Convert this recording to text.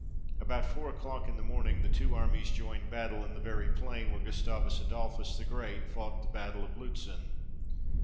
About four o'clock in the morning the two armies joined battle, in the very plain where Gustavus Adolphus the Great fought the battle of Lutzen.